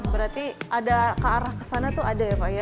berarti ada ke arah kesana tuh ada ya pak ya